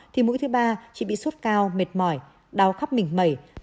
thì mũi thứ ba chỉ bị suốt cao mệt mỏi đau khắp mình mẩy